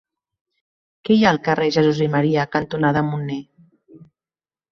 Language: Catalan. Què hi ha al carrer Jesús i Maria cantonada Munner?